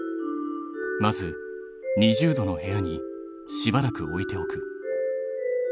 まず２０℃の部屋にしばらく置いておく。